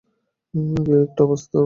কি একটা অবস্থা, বেপি?